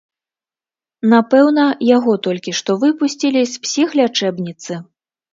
Напэўна, яго толькі што выпусцілі з псіхлячэбніцы.